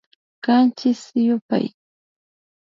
Kanchis yupay